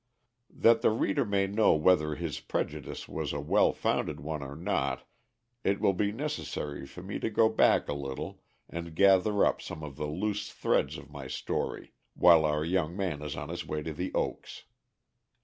That the reader may know whether his prejudice was a well founded one or not it will be necessary for me to go back a little and gather up some of the loose threads of my story, while our young man is on his way to The Oaks.